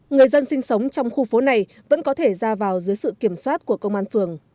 người dân sinh sống trong khu phố này vẫn có thể ra vào dưới sự kiểm soát của công an phường